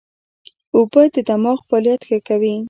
اوبه د دماغ فعالیت ښه کوي